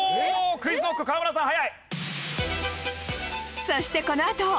ＱｕｉｚＫｎｏｃｋ河村さん早い！